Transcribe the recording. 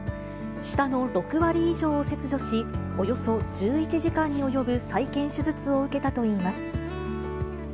舌の６割以上を切除し、およそ１１時間に及ぶ再建手術を受けたといいます。